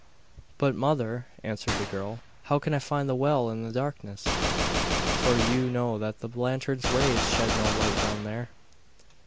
'But, mother,' answered the girl, 'how can I find the well in this darkness? For you know that the lantern's rays shed no light down there.